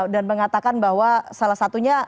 dan mengatakan bahwa salah satunya